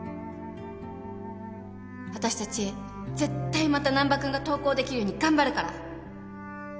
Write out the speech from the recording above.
「あたしたち絶対また難破くんが登校できるように頑張るから！」